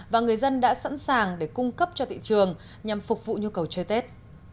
và người dân đã sẵn sàng để cung cấp cho thị trường nhằm phục vụ nhu cầu chơi tết